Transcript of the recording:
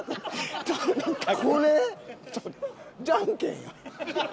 これ？